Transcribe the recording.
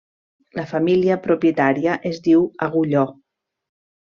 La família propietària es diu Agulló.